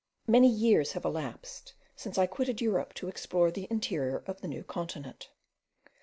Many years have elapsed since I quitted Europe, to explore the interior of the New Continent.